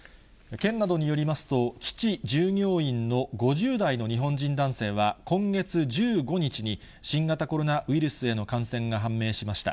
県などによりますと、基地従業員の５０代の日本男性は、今月１５日に、新型コロナウイルスへの感染が判明しました。